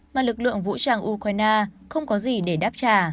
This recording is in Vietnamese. mà lực lượng vũ trang ukraine không có gì để đáp trả